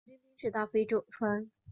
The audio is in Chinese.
唐军兵至大非川。